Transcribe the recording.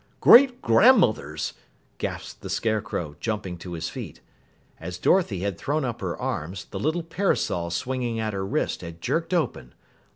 "Great grandmothers!" gasped the Scarecrow, jumping to his feet. As Dorothy had thrown up her arms, the little parasol swinging at her wrist had jerked open.